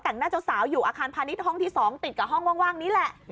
แต่งหน้าเจ้าสาวอยู่อาคารพาณิชย์ห้องที่๒ติดกับห้องว่างนี้แหละ